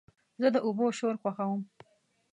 زه د اوبو شور خوښوم.